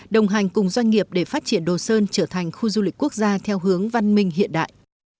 đồng hành cùng doanh nghiệp để phát triển đồ sơn trở thành khu du lịch quốc gia theo hướng văn minh hiện đại